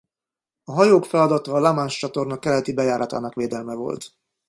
A hajók feladata a La Manche-csatorna keleti bejáratának védelme volt.